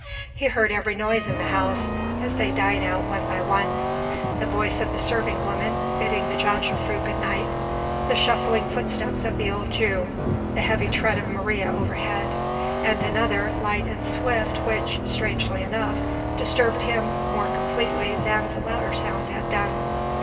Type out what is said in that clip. He heard every noise in the house as they died out one by one; the voice of the serving woman bidding the jongejuffrouw "good night," the shuffling footsteps of the old Jew, the heavy tread of Maria overhead, and another, light and swift which strangely enough disturbed him more completely than the louder sounds had done.